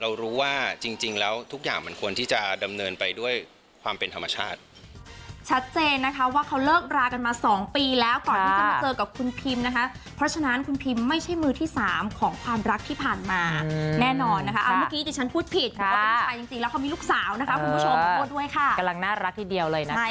เรารู้ว่าจริงแล้วทุกอย่างมันควรที่จะดำเนินไปด้วยความเป็นธรรมชาติ